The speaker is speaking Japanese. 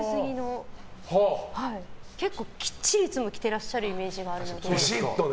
結構、きっちりいつも着てらっしゃるイメージあるので。